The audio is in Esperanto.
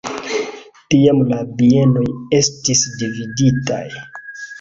Tiam la bienoj estis dividitaj.